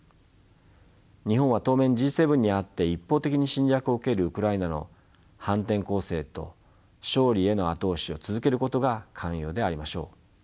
日本は当面Ｇ７にあって一方的に侵略を受けるウクライナの反転攻勢と勝利への後押しを続けることが肝要でありましょう。